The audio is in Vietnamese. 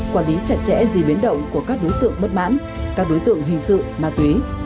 quản lý chặt chẽ gì biến động của các đối tượng bất mãn các đối tượng hình sự ma túy